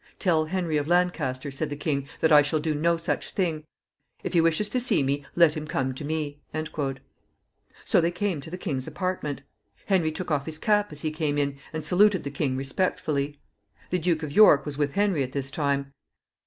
"Tell Henry of Lancaster," said the king, "that I shall do no such thing. If he wishes to see me, let him come to me." So they came to the king's apartment. Henry took off his cap as he came in, and saluted the king respectfully. The Duke of York was with Henry at this time.